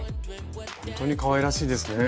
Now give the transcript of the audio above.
ほんとにかわいらしいですね。